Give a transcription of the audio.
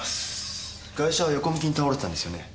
ガイシャは横向きに倒れてたんですよね？